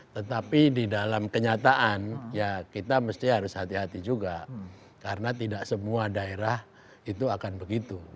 tetapi di dalam kenyataan ya kita mesti harus hati hati juga karena tidak semua daerah itu akan begitu